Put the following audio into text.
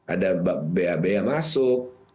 ada bab yang masuk